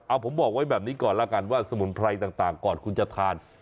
เอาผมบอกไว้แบบนี้ก่อนแล้วกันว่าสมุนไพรต่างก่อนคุณจะทาน